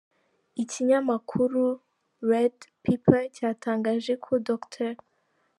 Ikinyamakuru Red Pepper cyatangaje ko Dr.